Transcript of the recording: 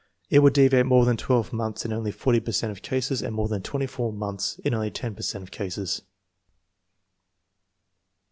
It would deviate more than 12 months in only 40 per cent of cases and more than 4 months in only 10 per cent of cases.